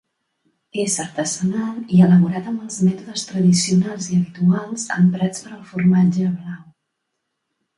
És artesanal i elaborat amb els mètodes tradicionals i habituals emprats per al formatge blau.